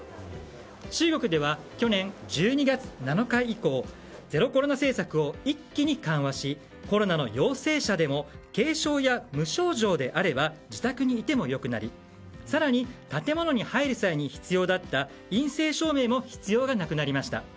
中国では去年１２月７日以降ゼロコロナ政策を一気に緩和しコロナの陽性者でも軽症や無症状であれば自宅にいてもよくなり更に、建物に入る際に必要だった陰性証明も必要がなくなりました。